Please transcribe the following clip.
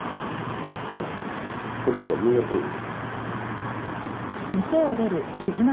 ほらこれなんかみんなそうですよ。